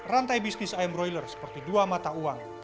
rantai bisnis ayam broiler seperti dua mata uang